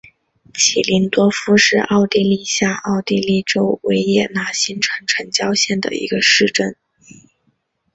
齐灵多夫是奥地利下奥地利州维也纳新城城郊县的一个市镇。